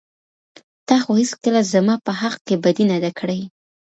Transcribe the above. تا خو هېڅکله زما په حق کې بدي نه ده کړى.